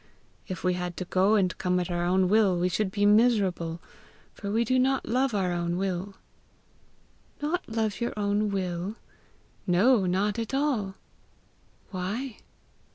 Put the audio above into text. If we had to go and come at our own will, we should be miserable, for we do not love our own will.' 'Not love your own will?' 'No, not at all!' 'Why?'